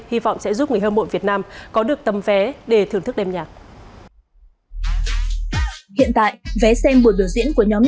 hơi xa sân khấu một tí nhưng mà nó sẽ bao quát hơn